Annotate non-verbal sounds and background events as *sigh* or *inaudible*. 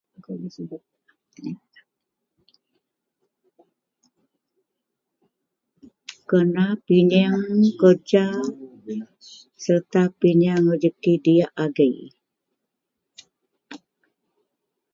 *unintelligible* kena pinyeang kereja sereta kena pinyeang rejeki diyak agei *unintelligible*